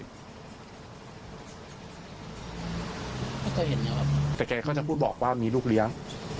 แกก็จะบอกว่ามีลูกเลี้ยง